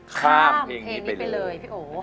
ข้ามเพลงนี้ไปเลย